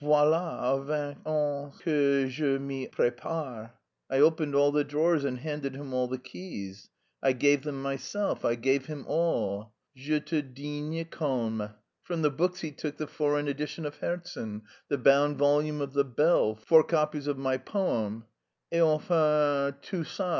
Voilà vingt ans que je m'y prépare. I opened all the drawers and handed him all the keys; I gave them myself, I gave him all. J'étais digne et calme. From the books he took the foreign edition of Herzen, the bound volume of The Bell, four copies of my poem, _et enfin tout ça.